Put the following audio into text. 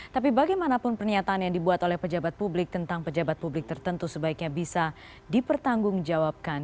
tapi bagaimanapun pernyataan yang dibuat oleh pejabat publik tentang pejabat publik tertentu sebaiknya bisa dipertanggungjawabkan